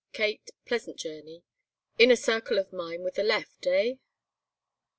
Kate, pleasant journey, inner circle of mine with the left, eh?